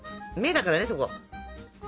目だからねそこ。